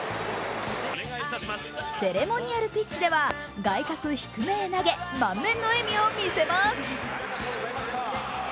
セレモニアルピッチでは外角低めへ投げ満面の笑みを見せます。